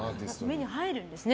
目に入るんですね